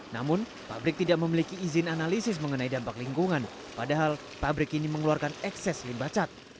namun pabrik tidak memiliki izin analisis mengenai dampak lingkungan padahal pabrik ini mengeluarkan ekses limbah cat